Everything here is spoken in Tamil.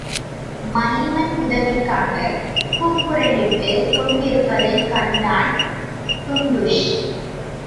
மைமன் உதவிக்காகக் கூக்குரலிட்டுக் கொண்டிருப்பதைக் கண்டான் டுன்டுஷ்.